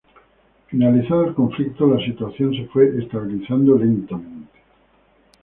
Finalizado el conflicto, la situación se fue estabilizando lentamente.